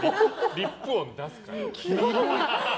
リップ音出すから、俺。